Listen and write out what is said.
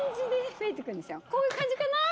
こういう感じかなぁ？